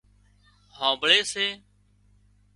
هانمڀۯي سي